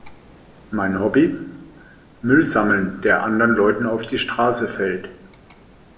Mein Hobby? Müll sammeln, der anderen Leuten auf die Straße fällt.